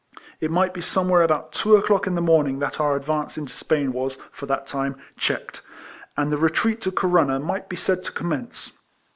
It might be somewhere about two o'clock in the morning that our advance into Spain was, for that time, checked, and the retreat to Corunna might be said to commence.